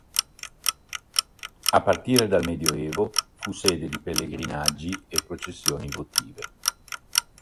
A partire dal Medioevo fu sede di pellegrinaggi e processioni votive.